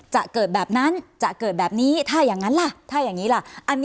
จะเกิดแบบนั้นจะเกิดแบบนี้ถ้าอย่างนั้นล่ะถ้าอย่างนี้ล่ะ